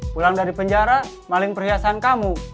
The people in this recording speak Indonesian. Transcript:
pulang dari penjara maling perhiasan kamu